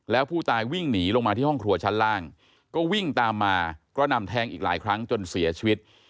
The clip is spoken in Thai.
แล้วผู้ตายวิ่งหนีลงมาที่ห้องครัวชั้นล่างก็วิ่งตามมากระหน่ำแทงอีกหลายครั้งจนเสียชีวิต